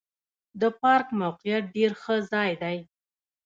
د پارک موقعیت ډېر ښه ځای دی.